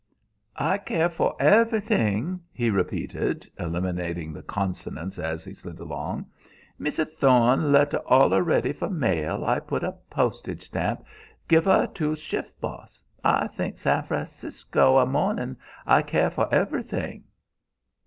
"I care fo' everything," he repeated, eliminating the consonants as he slid along. "Missa Tho'ne letta all a ready fo' mail I putta pos'age stamp, gifa to shif' boss. I think Sa' F'a'cisco in a mo'ning. I care fo' everything!"